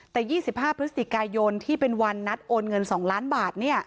แต่๒๕พฤศจิกายนที่เป็นวันนัดโอนเงิน๒ล้านบาท